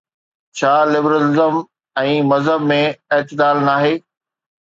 ڇا لبرلزم ۽ مذهب ۾ اعتدال ناهي؟